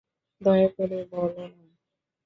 দয়া করে বলো না।